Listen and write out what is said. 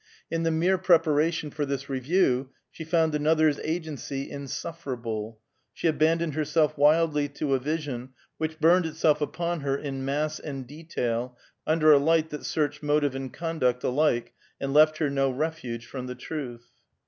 In the mere preparation for this review she found another's agency insufferable; she abandoned herself wildly to a vision which burned itself upon her in mass and detail, under a light that searched motive and conduct alike, and left her no refuge from the truth.